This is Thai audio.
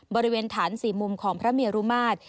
บริเวณฐาน๔มุมของพระเมรุมาตร